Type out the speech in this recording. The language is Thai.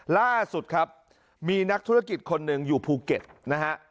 ล่าสุดครับมีนักธุรกิจคนหนึ่งอยู่ภูเก็ตนะฮะ